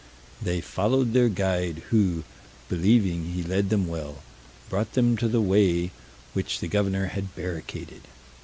They followed their guide, who, believing he led them well, brought them to the way which the governor had barricaded.